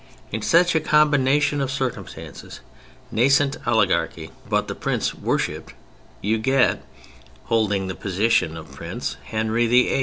In such a combination of circumstances—nascent oligarchy, but the prince worshipped—you get, holding the position of prince, Henry VIII.